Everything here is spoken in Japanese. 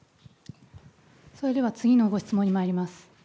それでは次のご質問にまいります。